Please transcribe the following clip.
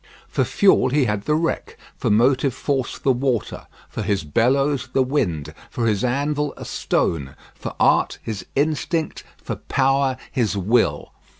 For fuel he had the wreck; for motive force the water; for his bellows the wind; for his anvil a stone; for art his instinct; for power his will.